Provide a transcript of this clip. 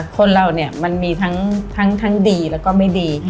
คนเราเนี่ยมันมีทั้งดีแล้วก็ไม่ดี